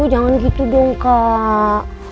jangan gitu dong kak